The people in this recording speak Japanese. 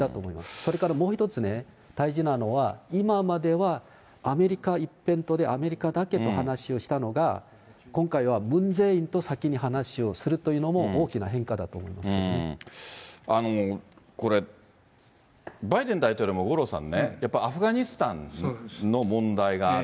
それからもう一つね、大事なのは、今までは、アメリカ一辺倒でアメリカだけと話をしたのが、今回はムン・ジェインと先に話をするというのも、大きな変化だとこれ、バイデン大統領も五郎さんね、アフガニスタンの問題がある。